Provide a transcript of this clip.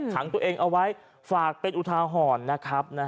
ขังตัวเองเอาไว้ฝากเป็นอุทาหรณ์นะครับ